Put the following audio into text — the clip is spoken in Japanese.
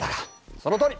そのとおり！